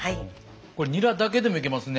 これニラだけでもいけますね。